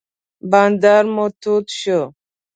بانډار مو تود شو.